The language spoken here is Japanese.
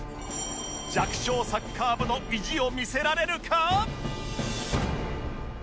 弱小サッカー部の意地を見せられるか？